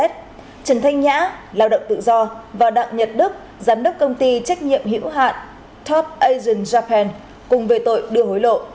trần thanh nhã lao động tự do và đặng nhật đức giám đốc công ty trách nhiệm hữu hạn top asian japan cùng về tội đưa hối lộ